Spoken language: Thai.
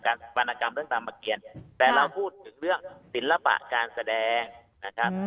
วรรณกรรมเรื่องตามประเกียรแต่เราพูดถึงเรื่องศิลปะการแสดงนะครับ